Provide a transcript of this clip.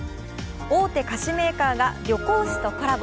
大手菓子メーカーが旅行誌とコラボ。